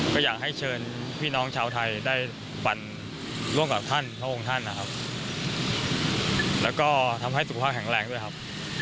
ของท่านนะครับแล้วก็ทำให้สุขภาพแข็งแรงด้วยครับ